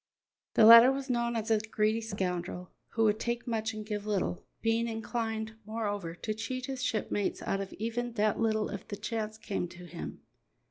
The latter was known as a greedy scoundrel, who would take much and give little, being inclined, moreover, to cheat his shipmates out of even that little if the chance came to him.